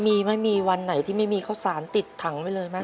มีไหมมีวันไหนที่ไม่มีข้าวสารติดถังไว้เลยไหม